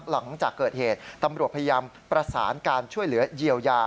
หลังจากเกิดเหตุตำรวจพยายามประสานการช่วยเหลือเยียวยา